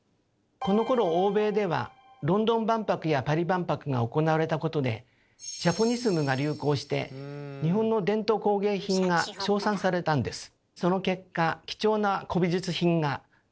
このころ欧米ではロンドン万博やパリ万博が行われたことで「ジャポニスム」が流行して日本の伝統工芸品が称賛されたんです。